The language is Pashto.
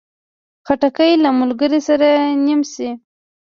خټکی له ملګري سره نیم شي.